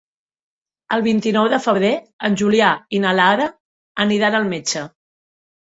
El vint-i-nou de febrer en Julià i na Lara aniran al metge.